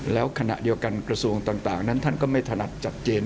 แล้วขณะเดียวกันกระทรวงต่างนั้นท่านก็ไม่ถนัดชัดเจน